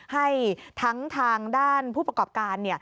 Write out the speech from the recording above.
ให้ทั้งทางด้านผู้ประกอบการ